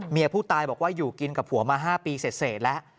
ผู้ตายบอกว่าอยู่กินกับผัวมา๕ปีเสร็จแล้ว